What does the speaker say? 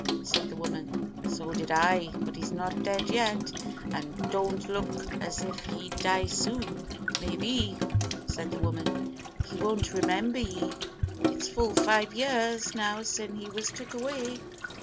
said the woman. "So did I; but he's not dead yet, an' don't look as if he'd die soon." "Maybe," said the woman, "he won't remember ye. It's full five year now sin' he was took away."